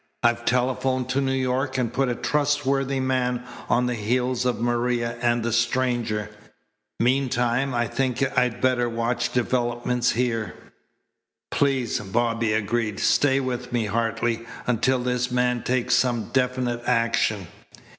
I've telephoned to New York and put a trustworthy man on the heels of Maria and the stranger. Meantime I think I'd better watch developments here." "Please," Bobby agreed. "Stay with me, Hartley, until this man takes some definite action."